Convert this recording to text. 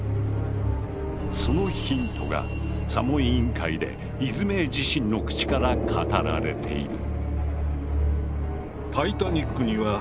そのヒントが査問委員会でイズメイ自身の口から語られている。